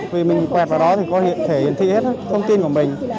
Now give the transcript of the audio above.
vì mình quẹt vào đó thì có thể hiển thị hết thông tin của mình